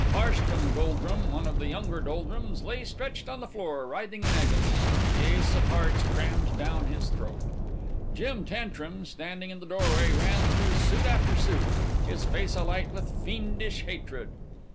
Harstrum Doldrum, one of the younger Doldrums, lay stretched on the floor writhing in agony, the ace of hearts crammed down his throat. Jem Tantrum, standing in the doorway, ran through suit after suit, his face alight with fiendish hatred.